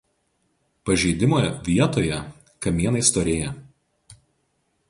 Pažeidimo vietoje kamienai storėja.